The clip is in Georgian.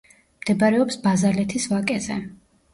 მდებარეობს ბაზალეთის ვაკეზე.